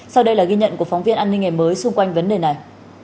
sau đây là ghi nhận của phóng viên an ninh ngày mới xung quanh vấn đề này